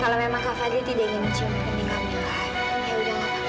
kalau memang kak fadil tidak ingin mencintai kami yaudahlah kak fadil